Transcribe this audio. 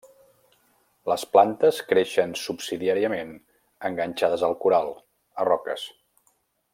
Les plantes creixen subsidiàriament enganxades al coral, a roques.